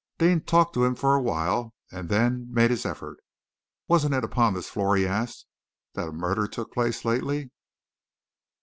Deane talked to him for a while, and then made his effort. "Wasn't it upon this floor," he asked, "that a murder took place lately?"